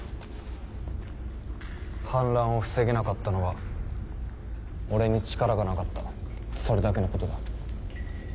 反乱を防げなかったのは俺に力がなかったそれだけのことだ。